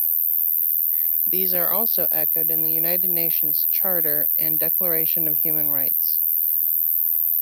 These are also echoed in the United Nations Charter and Declaration of Human Rights.